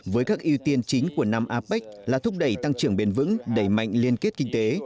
với các ưu tiên chính của năm apec là thúc đẩy tăng trưởng bền vững đẩy mạnh liên kết kinh tế